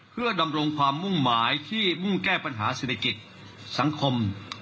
เพื่อดำรงความมุ่งหมายที่มุ่งแก้ปัญหาเศรษฐกิจสังคม